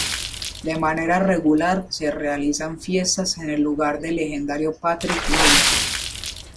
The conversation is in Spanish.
De manera regular se realizan fiestas en el lugar del legendario Patrick Miller.